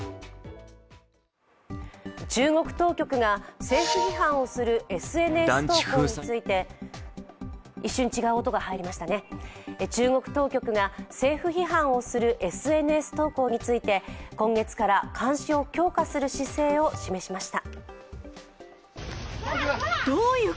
中国当局が政府批判をするＳＮＳ投稿について、今月から監視を強化する姿勢を示しました。